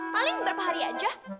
paling beberapa hari aja